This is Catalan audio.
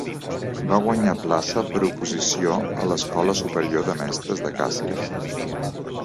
Va guanyar plaça per oposició a l'Escola Superior de Mestres de Càceres.